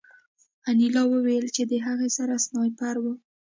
انیلا وویل چې د هغه سره سنایپر و